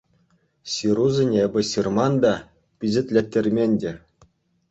— Ҫырусене эпӗ ҫырман та, пичетлеттермен те.